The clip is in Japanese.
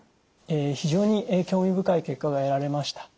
非常に興味深い結果が得られました。